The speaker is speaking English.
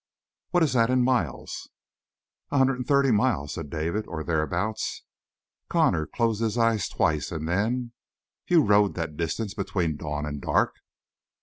"What is that in miles?" "A hundred and thirty miles," said David, "or thereabout." Connor closed his eyes twice and then: "You rode that distance between dawn and dark?"